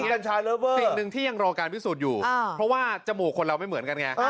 สิ่งหนึ่งที่ยังรอการพิสูจน์อยู่เพราะว่าจมูกคนเราไม่เหมือนกันไง